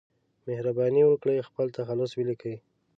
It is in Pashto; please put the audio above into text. مهرباني وکړئ خپل تخلص ولیکئ